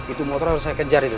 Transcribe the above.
itu motor harus saya kejar itu